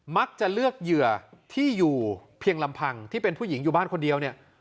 มักจะเลือกเหยื่อที่อยู่เพียงลำพังที่เป็นผู้หญิงอยู่บ้านคนเดียวเนี่ย